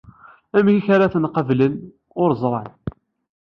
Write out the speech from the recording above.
Amek ara ten-qablen, ur ẓran.